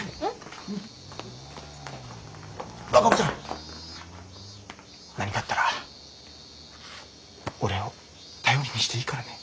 和歌子ちゃん何かあったら俺を頼りにしていいからね。